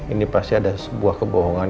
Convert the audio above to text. ini pasti ada sebuah kebohongan